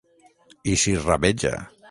I s'hi rabeja.